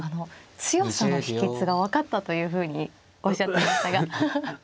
強さの秘けつが分かったというふうにおっしゃってましたが。